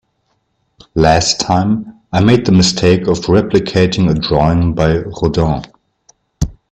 Last time, I made the mistake of replicating a drawing by Rodin.